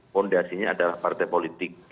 fondasinya adalah partai politik